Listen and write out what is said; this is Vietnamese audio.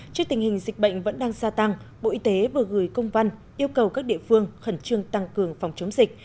trước tình hình dịch bệnh vẫn đang gia tăng bộ y tế vừa gửi công văn yêu cầu các địa phương khẩn trương tăng cường phòng chống dịch